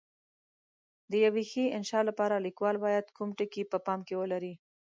د یوې ښې انشأ لپاره لیکوال باید کوم ټکي په پام کې ولري؟